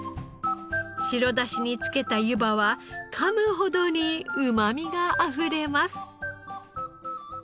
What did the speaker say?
白だしにつけたゆばは噛むほどにうまみがあふれます。